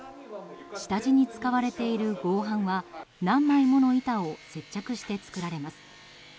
下地に使われている合板は何枚もの板を接着して作られます。